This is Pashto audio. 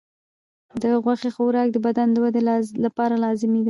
د غوښې خوراک د بدن د ودې لپاره لازمي دی.